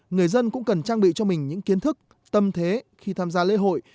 người dân cũng cần trang bị cho mình những kiến thức tâm thế khi tham gia lễ hội